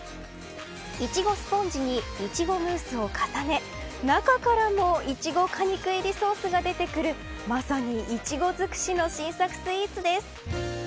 いちごスポンジにいちごムースを重ね中からもいちご果肉入りソースが出てくるまさに、いちご尽くしの新作スイーツです。